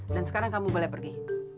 dan sekarang kamu boleh pergi